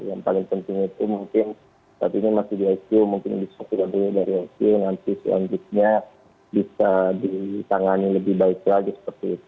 yang paling penting itu mungkin saat ini masih di icu mungkin bisa kita dulu dari icu nanti selanjutnya bisa ditangani lebih baik lagi seperti itu